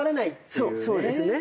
そうそうですね。